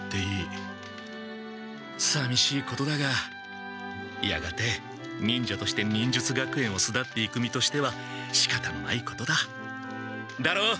さみしいことだがやがて忍者として忍術学園をすだっていく身としてはしかたのないことだ。だろう？